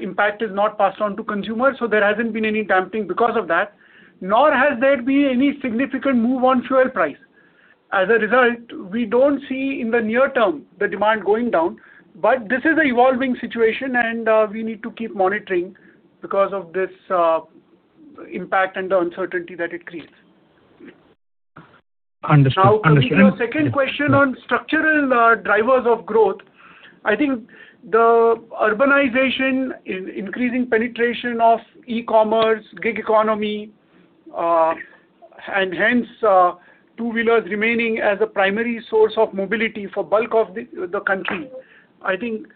impact is not passed on to consumers, there hasn't been any dampening because of that, nor has there been any significant move on fuel price. As a result, we don't see in the near term the demand going down. This is an evolving situation and, we need to keep monitoring because of this, impact and the uncertainty that it creates. Understood. Understand. To your second question on structural drivers of growth, I think the urbanization in increasing penetration of e-commerce, gig economy, and hence, two-wheelers remaining as a primary source of mobility for bulk of the country, I think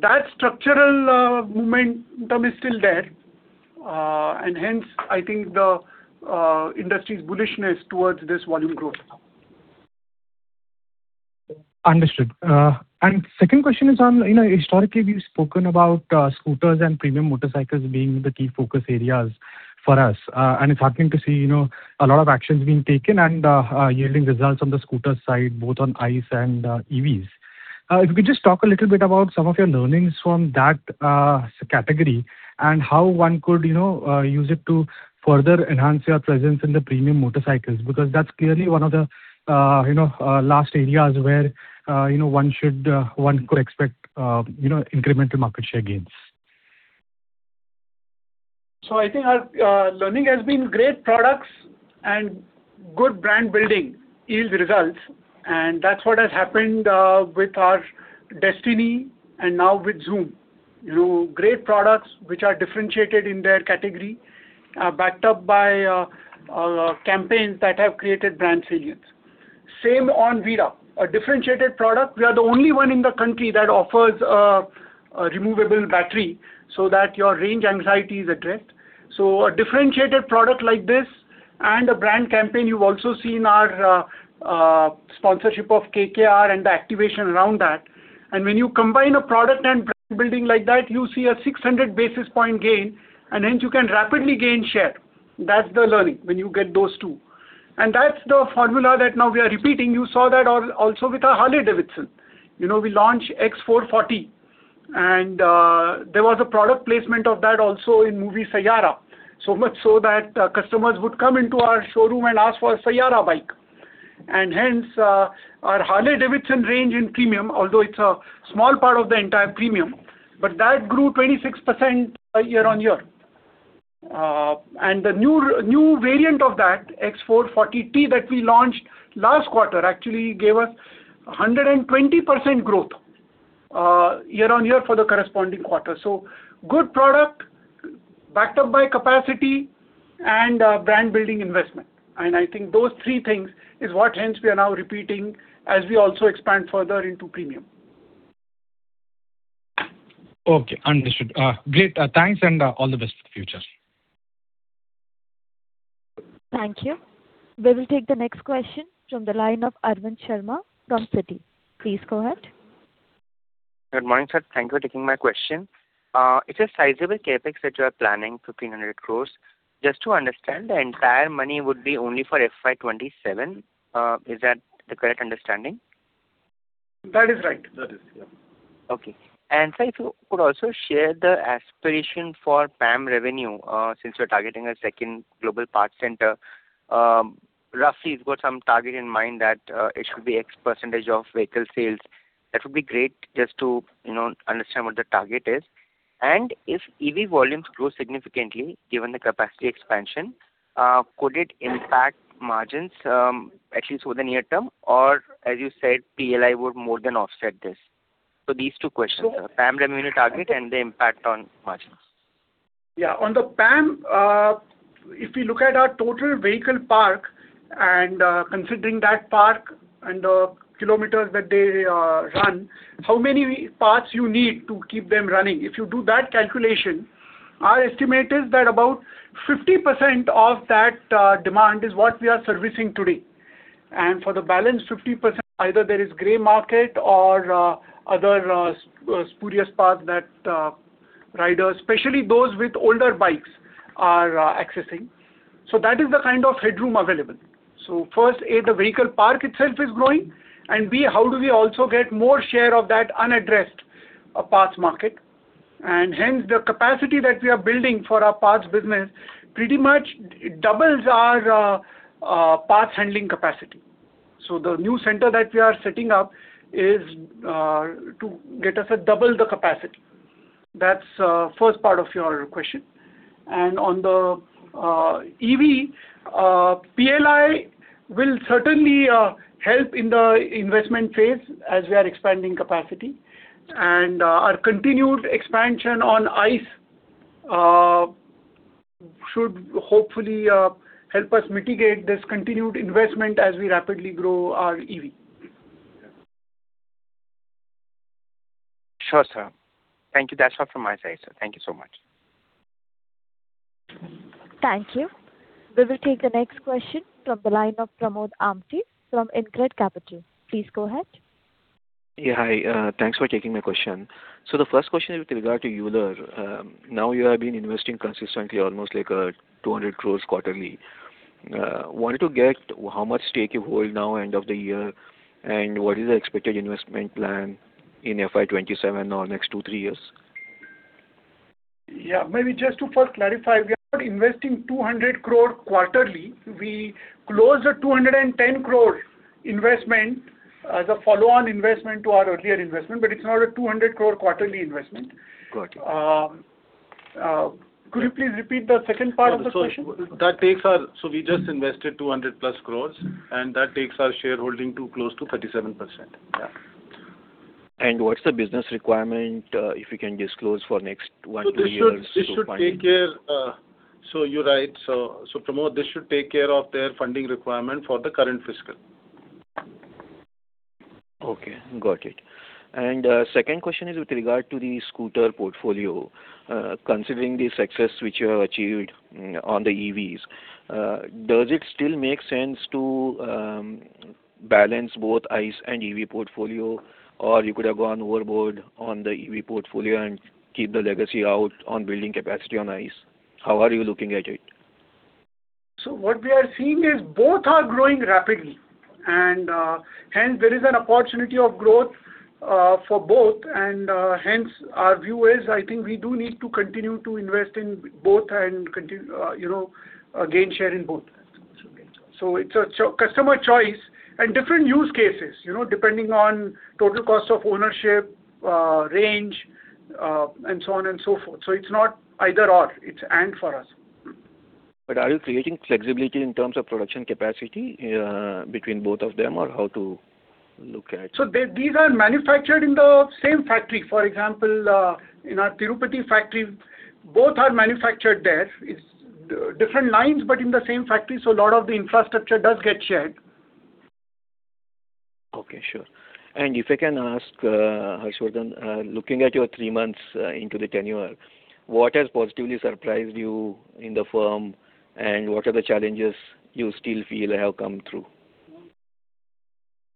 that structural momentum is still there. Hence, I think the industry's bullishness towards this volume growth. Understood. Second question is on, you know, historically we've spoken about scooters and premium motorcycles being the key focus areas for us. It's heartening to see, you know, a lot of actions being taken and yielding results on the scooter side, both on ICE and EVs. If you could just talk a little bit about some of your learnings from that category and how one could, you know, use it to further enhance your presence in the premium motorcycles. That's clearly one of the, you know, last areas where, you know, one should, one could expect, you know, incremental market share gains. I think our learning has been great products and good brand building yields results, and that's what has happened with our Destini and now with Xoom. You know, great products which are differentiated in their category, backed up by campaigns that have created brand salience. Same on VIDA, a differentiated product. We are the only one in the country that offers a removable battery so that your range anxiety is addressed. A differentiated product like this. A brand campaign, you've also seen our sponsorship of KKR and the activation around that. When you combine a product and brand building like that, you see a 600 basis point gain, and hence you can rapidly gain share. That's the learning when you get those two. That's the formula that now we are repeating. You saw that also with our Harley-Davidson. You know, we launched X440, and there was a product placement of that also in movie Yaariyan 2. So much so that customers would come into our showroom and ask for a Yaariyan 2 bike. Hence, our Harley-Davidson range in Premia, although it's a small part of the entire Premia, but that grew 26% year-on-year. The new variant of that, X440T, that we launched last quarter actually gave us a 120% growth year-on-year for the corresponding quarter. Good product backed up by capacity and brand building investment. I think those three things is what hence we are now repeating as we also expand further into Premia. Okay. Understood. Great. Thanks, all the best for the future. Thank you. We will take the next question from the line of Arvind Sharma from Citi. Please go ahead. Good morning, sir. Thank you for taking my question. It's a sizable CapEx that you are planning, 1,500 crores. Just to understand, the entire money would be only for FY 2027. Is that the correct understanding? That is right. That is, yeah. Okay. Sir, if you could also share the aspiration for PAM revenue, since you're targeting a second global parts center. Roughly, you've got some target in mind that it should be X percentage of vehicle sales. That would be great just to, you know, understand what the target is. If EV volumes grow significantly, given the capacity expansion, could it impact margins, at least for the near term, or, as you said, PLI would more than offset this? These two questions, sir. PAM revenue target and the impact on margins. Yeah. On the PAM, if you look at our total vehicle park and, considering that park and the kilometer that they run, how many parts you need to keep them running? If you do that calculation, our estimate is that about 50% of that demand is what we are servicing today. For the balance 50%, either there is gray market or other spurious parts that riders, especially those with older bikes, are accessing. That is the kind of headroom available. First, A, the vehicle park itself is growing, and B, how do we also get more share of that unaddressed parts market? Hence, the capacity that we are building for our parts business pretty much doubles our parts handling capacity. The new center that we are setting up is to get us a double the capacity. That's first part of your question. On the EV PLI will certainly help in the investment phase as we are expanding capacity. Our continued expansion on ICE should hopefully help us mitigate this continued investment as we rapidly grow our EV. Sure, sir. Thank you. That is all from my side, sir. Thank you so much. Thank you. We will take the next question from the line of Pramod Amthe from InCred Capital. Please go ahead. Yeah. Hi, thanks for taking my question. The first question is with regard to Euler Motors. Now you have been investing consistently almost like 200 crores quarterly. Wanted to get how much stake you hold now end of the year, and what is the expected investment plan in FY 2027 or next two, three years? Yeah. Maybe just to first clarify, we are not investing 200 crore quarterly. We closed an 210 crore investment as a follow-on investment to our earlier investment, but it's not an 200 crore quarterly investment. Got it. Could you please repeat the second part of the question? We just invested 200 plus crores. That takes our shareholding to close to 37%. Yeah. What's the business requirement, if you can disclose for next one to two years? This should take care. You are right. Pramod, this should take care of their funding requirement for the current fiscal. Okay, got it. Second question is with regard to the scooter portfolio. Considering the success which you have achieved on the EVs, does it still make sense to balance both ICE and EV portfolio? Or you could have gone overboard on the EV portfolio and keep the legacy out on building capacity on ICE. How are you looking at it? What we are seeing is both are growing rapidly, and hence there is an opportunity of growth for both, and hence our view is, I think we do need to continue to invest in both and continue, you know, gain share in both. Okay. It's a customer choice and different use cases, you know, depending on total cost of ownership, range, and so on and so forth. It's not either/or, it's and for us. Are you creating flexibility in terms of production capacity, between both of them, or how to look at it? These are manufactured in the same factory. For example, in our Tirupati factory, both are manufactured there. It's different lines, but in the same factory, so a lot of the infrastructure does get shared. Okay, sure. If I can ask, Harshavardhan, looking at your three months into the tenure, what has positively surprised you in the firm, and what are the challenges you still feel have come through?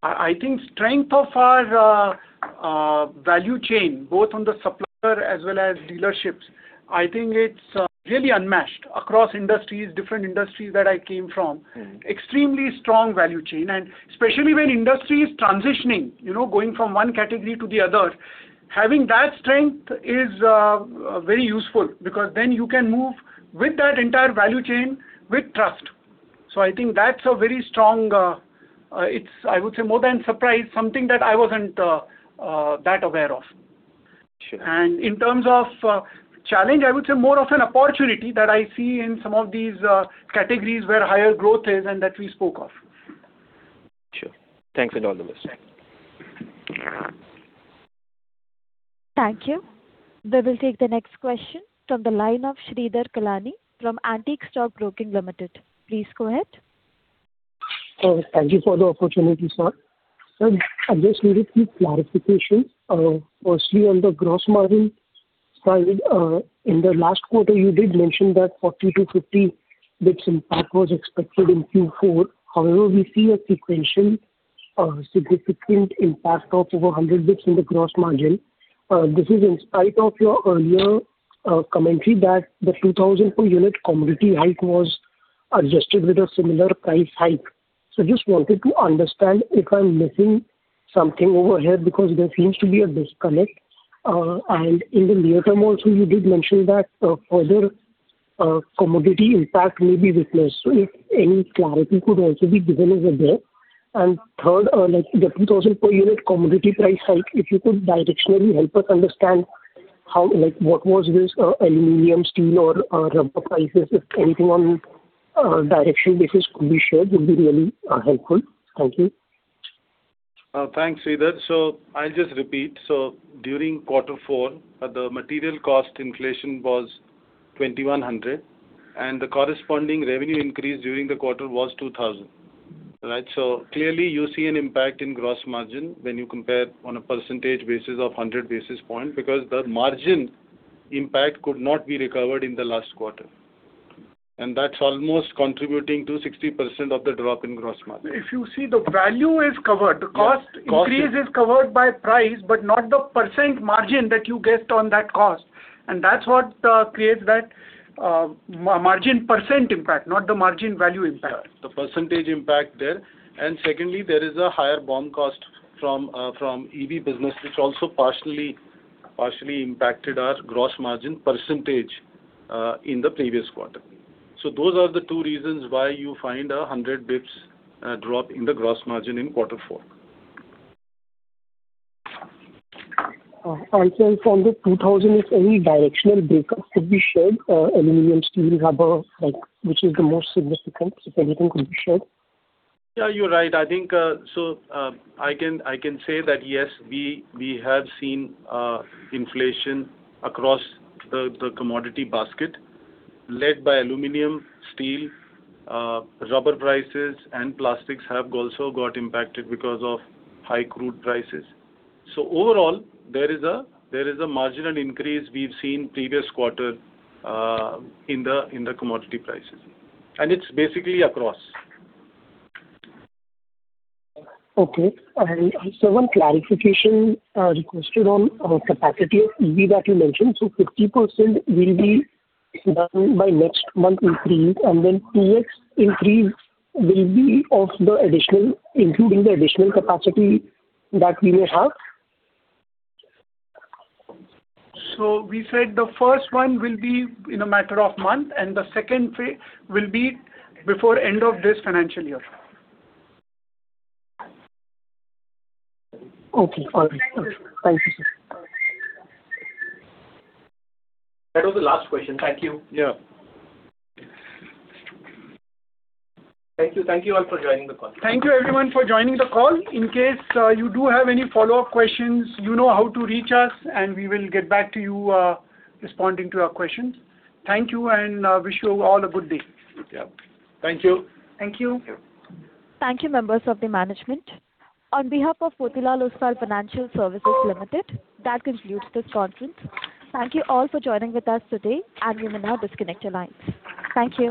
I think strength of our value chain, both on the supplier as well as dealerships, I think it's really unmatched across industries, different industries that I came from. Extremely strong value chain. Especially when industry is transitioning, you know, going from one category to the other, having that strength is very useful because then you can move with that entire value chain with trust. I think that's a very strong, it's I would say more than surprise, something that I wasn't that aware of. Sure. In terms of challenge, I would say more of an opportunity that I see in some of these categories where higher growth is and that we spoke of. Sure. Thanks. All the best. Thank you. Thank you. We will take the next question from the line of Sridhar Kalani from Antique Stock Broking Limited. Please go ahead. Thank you for the opportunity, sir. I just needed few clarification. Firstly, on the gross margin side, in the last quarter, you did mention that 40 to 50 basis impact was expected in Q4. We see a sequential, significant impact of over 100 basis in the gross margin. This is in spite of your earlier, commentary that the 2,000 per unit commodity hike was adjusted with a similar price hike. Just wanted to understand if I'm missing something over here because there seems to be a disconnect. In the near term also, you did mention that further commodity impact may be witnessed. If any clarity could also be given over there. Third, like the 2,000 per unit commodity price hike, if you could directionally help us understand how, like, what was this, aluminum, steel or, rubber prices, if anything on, direction basis could be shared, would be really helpful. Thank you. Thanks, Sridhar. I'll just repeat. During quarter four, the material cost inflation was 2,100, and the corresponding revenue increase during the quarter was 2,000, right? Clearly you see an impact in gross margin when you compare on a percentage basis of 100 basis points because the margin impact could not be recovered in the last quarter. That's almost contributing to 60% of the drop in gross margin. If you see, the value is covered. Yes. The cost increase is covered by price, but not the percent margin that you get on that cost. That's what creates that margin % impact, not the margin value impact. Yeah, the percentage impact there. Secondly, there is a higher BoM cost from EV business, which also partially impacted our gross margin percentage in the previous quarter. Those are the two reasons why you find 100 basis drop in the gross margin in quarter four. Sir, from the 2,000, if any directional breakup could be shared, aluminum, steel, rubber, which is the most significant, if anything could be shared? Yeah, you're right. I think, I can say that yes, we have seen inflation across the commodity basket led by aluminum, steel, rubber prices and plastics have also got impacted because of high crude prices. Overall, there is a marginal increase we've seen previous quarter in the commodity prices. It's basically across. Okay. Sir, one clarification requested on capacity of EV that you mentioned. 50% will be done by next month increase, next increase will be of the additional, including the additional capacity that we may have? We said the first one will be in a matter of month, and the second phase will be before end of this financial year. Okay. All right. Thank you, sir. That was the last question. Thank you. Yeah. Thank you. Thank you all for joining the call. Thank you everyone for joining the call. In case you do have any follow-up questions, you know how to reach us, and we will get back to you responding to your questions. Thank you. Wish you all a good day. Yeah. Thank you. Thank you. Thank you. Thank you, members of the management. On behalf of Kotak Mahindra Financial Services Limited, that concludes this conference. Thank you all for joining with us today. You may now disconnect your lines. Thank you.